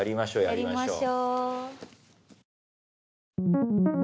やりましょう。